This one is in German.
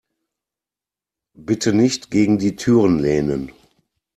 Bitte nicht gegen die Türen lehnen.